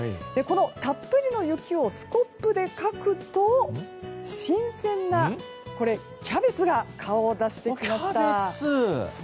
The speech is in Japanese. このたっぷりの雪をスコップでかくと新鮮なキャベツが顔を出してきました。